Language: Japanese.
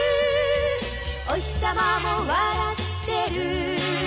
「おひさまも笑ってる」